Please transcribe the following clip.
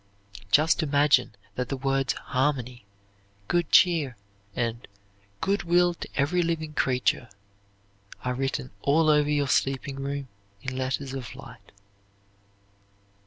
_Just imagine that the words "harmony," "good cheer," and "good will to every living creature" are written all over your sleeping room in letters of light_.